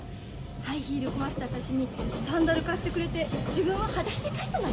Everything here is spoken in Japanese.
ハイヒール壊した私にサンダル貸してくれて自分ははだしで帰ったのよ！